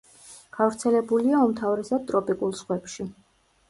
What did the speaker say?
გავრცელებულია უმთავრესად ტროპიკულ ზღვებში.